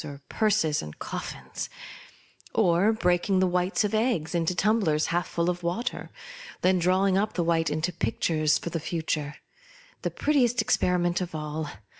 or purses and coffins ; or breaking the whites of eggs into tumblers half full of water, and then drawing up the white into pictures of the future — the prettiest experiment of all.